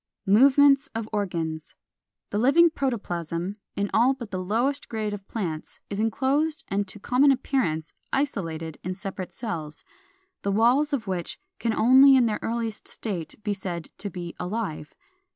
463. =Movements of Organs.= The living protoplasm, in all but the lowest grade of plants, is enclosed and to common appearance isolated in separate cells, the walls of which can only in their earliest state be said to be alive.